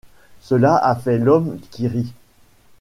Cela a fait l’Homme qui rit.